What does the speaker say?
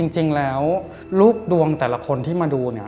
จริงแล้วรูปดวงแต่ละคนที่มาดูเนี่ย